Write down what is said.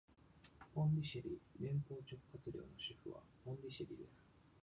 ポンディシェリ連邦直轄領の首府はポンディシェリである